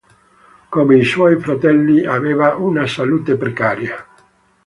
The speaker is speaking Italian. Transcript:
Come i suoi fratelli, aveva una salute precaria.